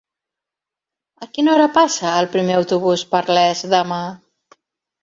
A quina hora passa el primer autobús per Les demà?